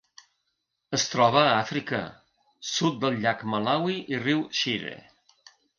Es troba a Àfrica: sud del llac Malawi i riu Shire.